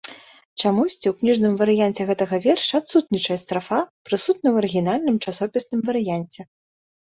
Чамусьці ў кніжным варыянце гэтага верша адсутнічае страфа, прысутная ў арыгінальным часопісным варыянце.